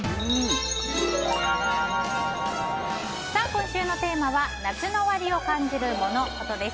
今週のテーマは夏の終わりを感じるモノ・コトです。